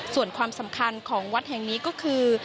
ส่วนความสำคัญของวัดแห่งนี้ก็คือ